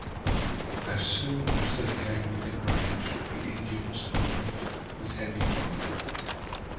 As soon as they came within range, the Indians opened with heavy fire.